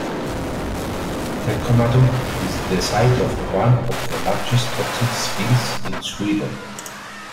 Teckomatorp is the site of one of the largest toxic spills in Sweden.